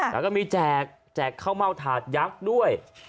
แล้วก็มีแจกข้าวเม่าถาดยักษ์ด้วย